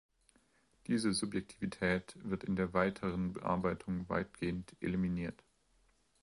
Diese Subjektivität wird in der weiteren Bearbeitung weitgehend eliminiert.